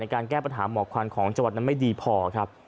การแก้ปัญหาหมอกควันของจังหวัดนั้นไม่ดีพอครับ